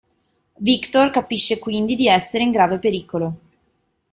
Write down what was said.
Victor capisce quindi di essere in grave pericolo.